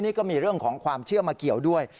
นี่ก็มีเรื่องของความเชื่อมาเกี่ยวด้วย